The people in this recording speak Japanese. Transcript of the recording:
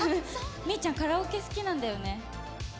みーちゃん、カラオケ好きなんだよね。